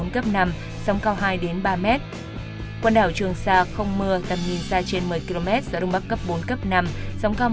gió đông bắc đến đông cấp năm gió cao hai ba m